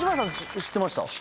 知ってました。